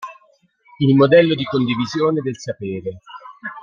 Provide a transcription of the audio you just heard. Il modello di condivisione del sapere.